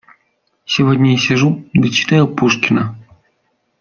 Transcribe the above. Сегодня я сижу да читаю Пушкина.